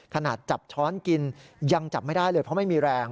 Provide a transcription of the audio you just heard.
ขนาดจับช้อนกินยังจับไม่ได้เลยเพราะไม่มีแรง